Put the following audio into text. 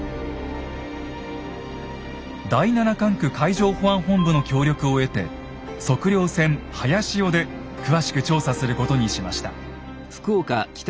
第七管区海上保安本部の協力を得て測量船「はやしお」で詳しく調査することにしました。